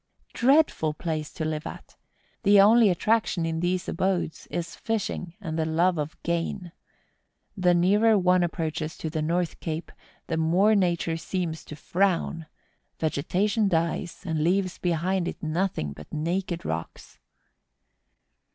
Dreadful place to live at! The only at¬ traction in these abodes is fishing, and the love of gain. The nearer one approaches to the North Cape the more nature seems to frown: vegetation dies, and leaves behind it nothing but naked rocks.